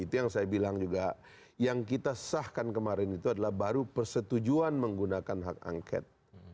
itu yang saya bilang juga yang kita sahkan kemarin itu adalah baru persetujuan menggunakan hak angket